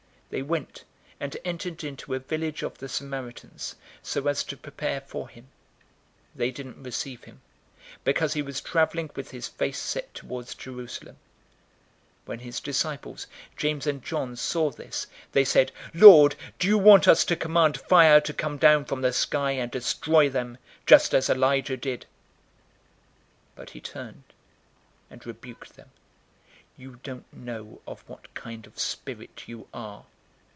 They went, and entered into a village of the Samaritans, so as to prepare for him. 009:053 They didn't receive him, because he was traveling with his face set towards Jerusalem. 009:054 When his disciples, James and John, saw this, they said, "Lord, do you want us to command fire to come down from the sky, and destroy them, just as Elijah did?" 009:055 But he turned and rebuked them, "You don't know of what kind of spirit you are.